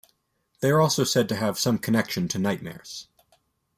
They are also said to have some connection to nightmares.